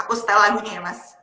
aku setel lagunya ya mas